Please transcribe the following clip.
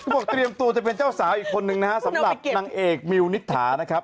บอกเตรียมตัวจะเป็นเจ้าสาวอีกคนนึงนะฮะสำหรับนางเอกมิวนิษฐานะครับ